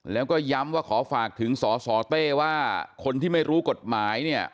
แล้วก็ย้ำว่าขอฝากถึงสสเต้ว่าคนที่ไม่รู้กฎหมายเนี่ย